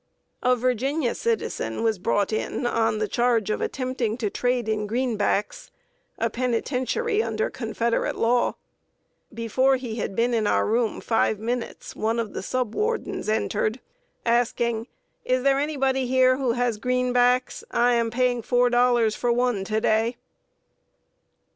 A Virginia citizen was brought in on the charge of attempting to trade in "greenbacks," a penitentiary offense under Confederate law. Before he had been in our room five minutes one of the sub wardens entered, asking: "Is there anybody here who has 'greenbacks?' I am paying four dollars for one to day."